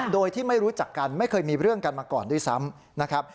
โดยที่ไม่รู้จักกันไม่เคยมีเรื่องกันมาก่อนด้วยซ้ำนะครับ